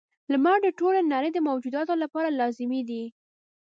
• لمر د ټولې نړۍ د موجوداتو لپاره لازمي دی.